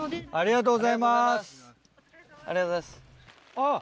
あっ！